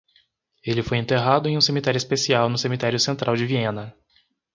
Ele foi enterrado em um cemitério especial no cemitério central de Viena.